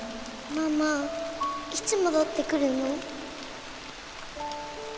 ママいつ戻ってくるの？